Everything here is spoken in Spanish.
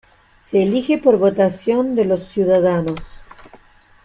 Se elige por votación de los ciudadanos.